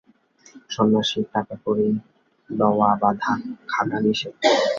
সন্ন্যাসীর টাকাকড়ি লওয়া বা থাকা নিষিদ্ধ।